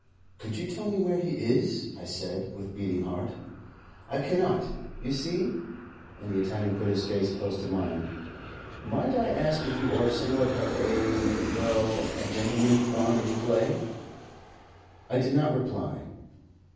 "Could you tell me where he is?" I said, with beating heart. "I cannot. You see " and the Italian put his face close to mine. "Might I ask if you are somewhat of a well, a gentleman fond of play?" I did not reply.